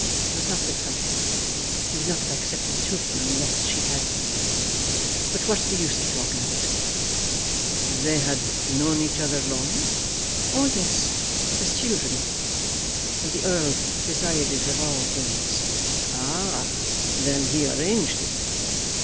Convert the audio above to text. It was not the title. She would not have accepted Chiltern unless she had . But what is the use of talking of it?" "They had known each other long?" "Oh, yes, as children. And the Earl desired it of all things." "Ah; then he arranged it."